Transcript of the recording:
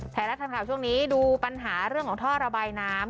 ไทยรัฐทันข่าวช่วงนี้ดูปัญหาเรื่องของท่อระบายน้ำ